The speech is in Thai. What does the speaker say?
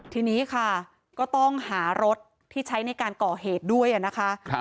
ทีนี้ค่ะก็ต้องหารถที่ใช้ในการก่อเหตุด้วยนะคะ